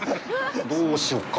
どうしよっか。